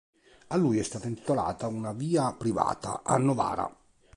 A lui è stata intitolata una via privata a Novara.